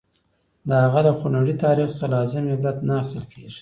د هغه له خونړي تاریخ څخه لازم عبرت نه اخیستل کېږي.